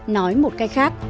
nói một cách khác